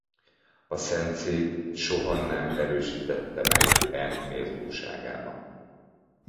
A szentszék soha nem erősítette meg e méltóságában.